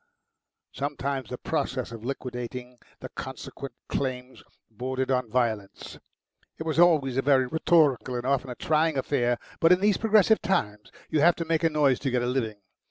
Sometimes the process of liquidating the consequent claims bordered on violence. It was always a very rhetorical and often a trying affair, but in these progressive times you have to make a noise to get a living.